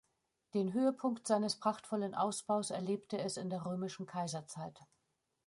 Den Höhepunkt seines prachtvollen Ausbaus erlebte es in der Römischen Kaiserzeit.